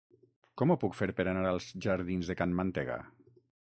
Com ho puc fer per anar als jardins de Can Mantega?